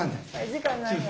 時間ないよ。